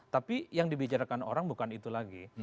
tapi yang dibicarakan orang bukan itu lagi